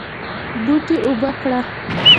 بوټي اوبه کړه